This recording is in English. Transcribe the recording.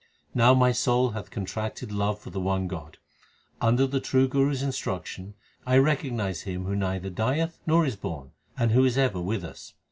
1 Now my soul hath contracted love for the one God. Under the true Guru s instruction I recognize Him who neither dieth nor is born, and who is ever with us.